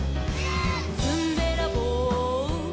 「ずんべらぼう」「」